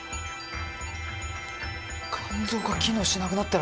肝臓が機能しなくなったら。